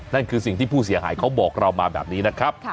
นั่นคือสิ่งที่ผู้เสียหายเขาบอกเรามาแบบนี้นะครับ